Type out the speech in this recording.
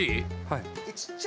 はい。